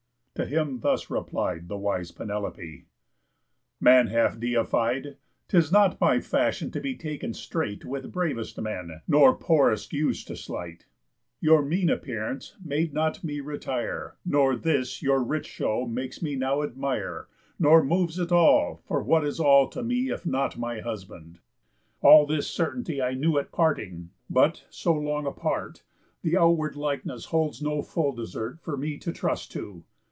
To him thus replied The wise Penelope: "Man half deified, 'Tis not my fashion to be taken straight With bravest men, nor poorest use to sleight. Your mean appearance made not me retire, Nor this your rich show makes me now admire, Nor moves at all; for what is all to me If not my husband? All his certainty I knew at parting; but, so long apart, The outward likeness holds no full desert For me to trust to.